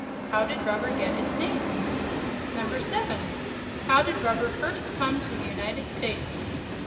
How did rubber get its name? 7. How did rubber first come to the United States?